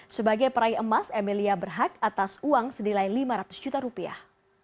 sebagai peraih emas emilia berhak atas uang senilai lima ratus juta rupiah